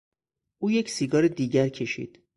او یک سیگار دیگر کشید.